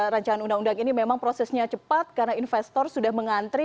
rancangan undang undang ini memang prosesnya cepat karena investor sudah mengantri